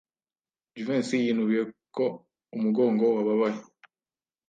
Jivency yinubiye ko umugongo wababaye.